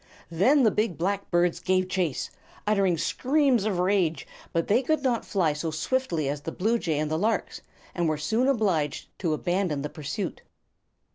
Then the big black birds gave chase, uttering screams of rage; but they could not fly so swiftly as the bluejay and the larks, and were soon obliged to abandon the pursuit.